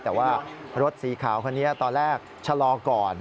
แต่ว่ารถสีขาวคนนี้ตอนแรกชะลอก่อน